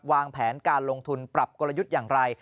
วางแผนการลงทุนปรับกลยุทธ์อย่างไร